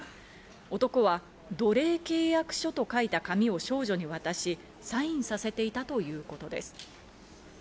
男は奴隷契約書と書いた紙を少女に渡し、サインさせていたということです。